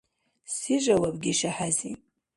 Се жаваб гиша хӀези?